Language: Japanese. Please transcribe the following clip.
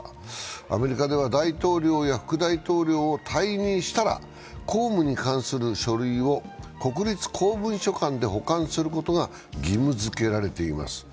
アメリカでは、大統領や副大統領を退任したら公務に関する書類を国立公文書館で保管することが義務付けられています。